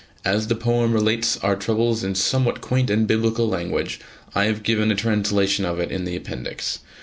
As the poem relates our troubles in somewhat quaint and biblical language, I have given a translation of it in the appendix.